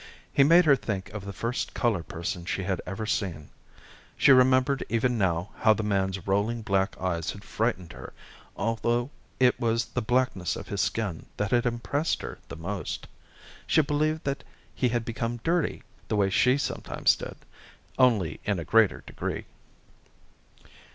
He made her think of the first colored person she had ever seen. She remembered even now how the man's rolling black eyes had frightened her, although it was the blackness of his skin that had impressed her the most. She believed that he had become dirty, the way she sometimes did, only in a greater degree.